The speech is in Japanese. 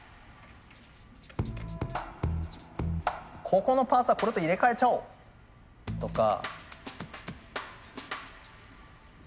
ここのパーツはこれと入れ替えちゃおうとか。